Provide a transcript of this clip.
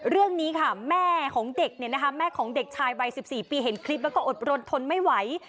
เรื่องนี้ค่ะแม่ของเด็กเนี่ยนะคะแม่ของเด็กชายวัย๑๔ปีเห็นคลิปแล้วก็อดรนทนไม่ไหว